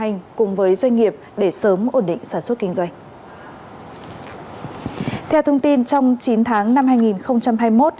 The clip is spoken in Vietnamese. bộ cùng với doanh nghiệp để sớm ổn định sản xuất kinh doanh theo thông tin trong chín tháng năm